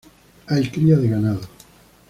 Hay cría de ganado.